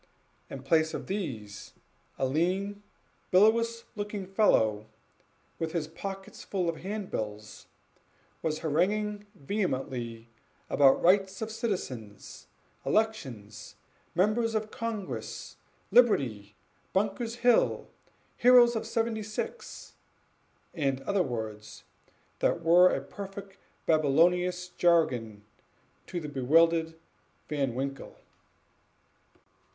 In place of these, a lean, bilious looking fellow, with his pockets full of hand bills, was haranguing vehemently about rights of citizens elections members of congress liberty Bunker's Hill heroes of seventy six and other words, which were a perfect Babylonish jargon to the bewildered Van Winkle.